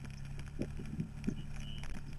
万寿西宫现为西城区普查登记文物。